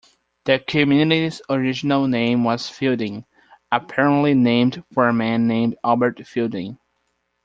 The community's original name was Fielding, apparently named for a man named Albert Fielding.